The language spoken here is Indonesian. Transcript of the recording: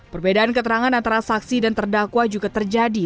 perbedaan keterangan antara saksi dan terdakwa juga terjadi